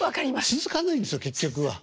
続かないんですよ結局は。